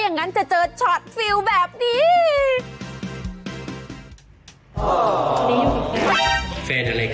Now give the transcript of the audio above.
แยกแม่สิแยกแม่สิ